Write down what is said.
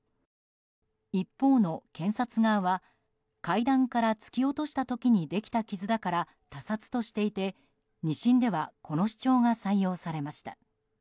一方の検察側は階段から突き落とした時にできた傷だから他殺としていて２審ではこの主張が採用されました。